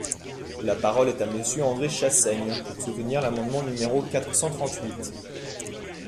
La parole est à Monsieur André Chassaigne, pour soutenir l’amendement numéro quatre cent trente-huit.